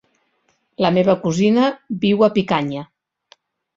La meva cosina viu a Picanya.